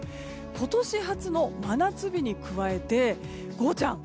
今年初の真夏日に加えてゴーちゃん。